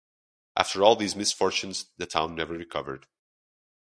After all these misfortunes, the town never recovered.